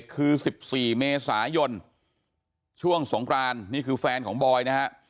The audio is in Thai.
คือ๑๔เมษายนช่วงสงกรานนี่คือแฟนของบอยนะฮะ